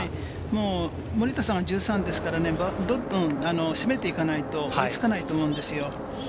森田さんは１３ですから、どんどん攻めていかないと追いつかないと思うんですよ。